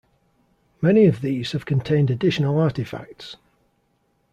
Many of these have contained additional artifacts.